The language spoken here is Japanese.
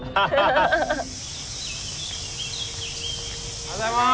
おはようございます。